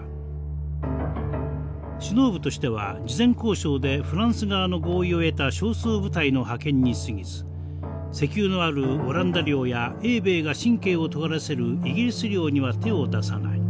首脳部としては事前交渉でフランス側の合意を得た少数部隊の派遣にすぎず石油のあるオランダ領や英米が神経をとがらせるイギリス領には手を出さない。